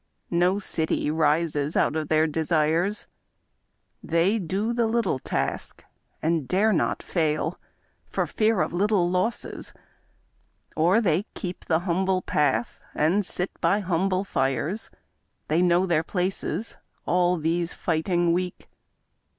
No city rises out of their desires ; They do the little task, and dare not fail For fear of little losses — or they keep The humble path and sit by humble fires; They know their places — all these fighting Weak!